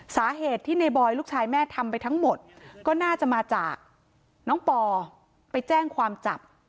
สาเหตุที่ในบอยลูกชายแม่ทำไปทั้งหมดก็น่าจะมาจากน้องปอไปแจ้งความจับ